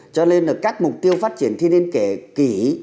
cho nên là các mục tiêu phát triển thiên liên kể kỹ